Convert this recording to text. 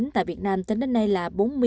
tại việt nam tính đến nay là